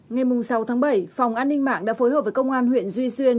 ngày sáu tháng bảy phòng an ninh mạng đã phối hợp với công an huyện duy xuyên